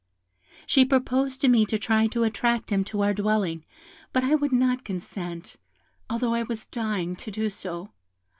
She proposed to me to try to attract him to our dwelling, but I would not consent, although I was dying to do so.